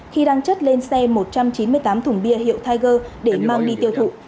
khi đang chất lên xe một trăm chín mươi tám thùng bia hiệu tháiger để mang đi tiêu thụ